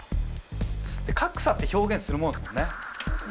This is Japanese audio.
格差って表現するものですもんね。